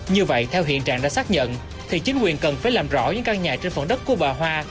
như vậy theo hiện trạng đã xác nhận thì chính quyền cần phải làm rõ những căn nhà trên phần đất của bà hoa